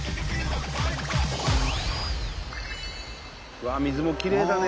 うわ水もきれいだね。